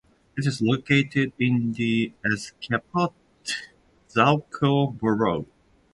It is located in the Azcapotzalco borough.